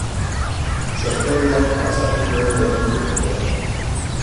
Sorterrian pasa zituen lehenengo urteak.